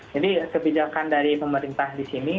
jadi kebijakan dari pemerintah di sini